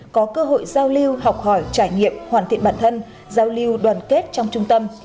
có cơ hội giao lưu học hỏi trải nghiệm hoàn thiện bản thân giao lưu đoàn kết trong trung tâm